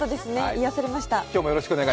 癒やされました。